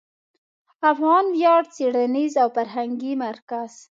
افغان ویاړ څېړنیز او فرهنګي مرکز